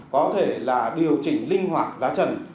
có thể là điều chỉnh linh hoạt giá trần